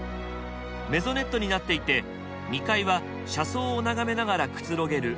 メゾネットになっていて２階は車窓を眺めながらくつろげる和室。